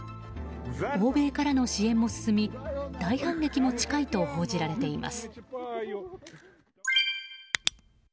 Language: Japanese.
欧米からの支援も進み大反撃も近いと報じられています。